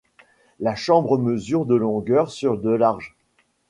La chambre mesure de longueur sur de large.